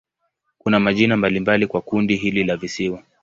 Kuna majina mbalimbali kwa kundi hili la visiwa.